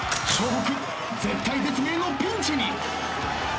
北絶体絶命のピンチに！